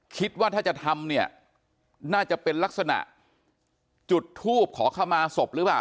คิดว่าถ้าจะทำเนี่ยน่าจะเป็นลักษณะจุดทูบขอเข้ามาศพหรือเปล่า